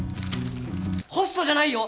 ホストじゃないよ！